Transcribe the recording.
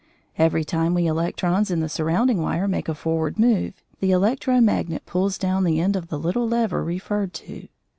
Every time we electrons in the surrounding wire make a forward move, the electro magnet pulls down the end of the little lever referred to.